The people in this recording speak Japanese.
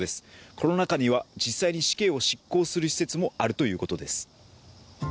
この中には実際に死刑を執行する施設もあるということです。